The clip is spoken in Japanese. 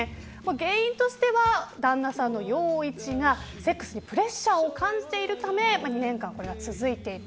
原因としては、旦那さんの陽一がセックスにプレッシャーを感じているため２年間これが続いていた。